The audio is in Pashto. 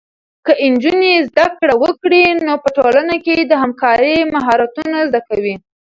که نجونې زده کړه وکړي، نو په ټولنه کې د همکارۍ مهارتونه زده کوي.